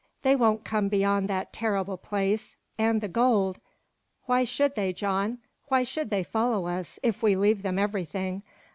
They won't come beyond that terrible place and the gold! Why should they, John? Why should they follow us if we leave them everything?